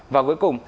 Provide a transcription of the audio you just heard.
và cuối cùng